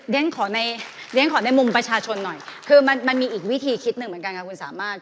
เรียนขอในมุมประชาชนหน่อยคือมันมีอีกวิธีคิดหนึ่งเหมือนกันค่ะคุณสามารถ